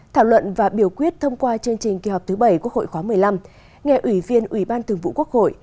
thảo luận và biểu quyết thông qua chương trình kỳ họp thứ bảy quốc hội khóa một mươi năm nghe ủy viên ủy ban thường vụ quốc hội